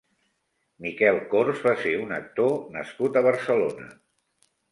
Miquel Cors va ser un actor nascut a Barcelona.